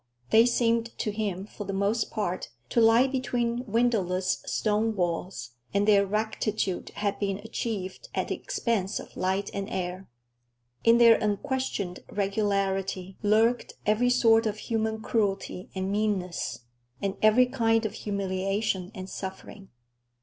They seemed to him, for the most part, to lie between windowless stone walls, and their rectitude had been achieved at the expense of light and air. In their unquestioned regularity lurked every sort of human cruelty and meanness, and every kind of humiliation and suffering.